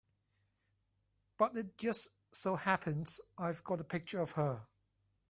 But it just so happens I've got a picture of her.